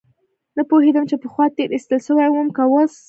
نه پوهېدم چې پخوا تېر ايستل سوى وم که اوس.